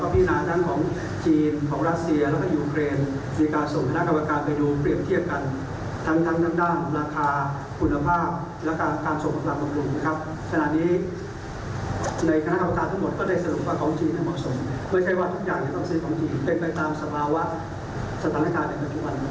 เพื่อใช้ว่าทุกอย่างที่ต้องซื้อของทีมเป็นไปตามสมาวัติสถานการณ์ในปัจจุบัน